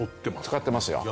使ってますよ。